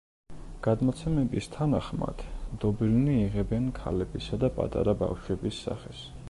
გადმოცემების თანახმად, დობილნი იღებენ ქალებისა და პატარა ბავშვების სახეს.